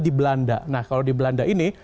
di belanda nah kalau di belanda ini